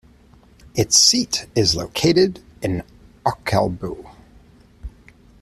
Its seat is located in Ockelbo.